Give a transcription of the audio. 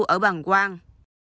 ở bằng quang